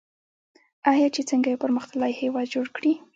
آیا چې څنګه یو پرمختللی هیواد جوړ کړي؟